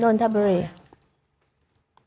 นนนทบดี